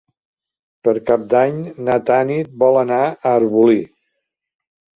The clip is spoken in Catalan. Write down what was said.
Per Cap d'Any na Tanit vol anar a Arbolí.